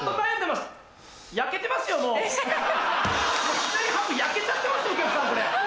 左半分焼けちゃってますよお客さんそれ。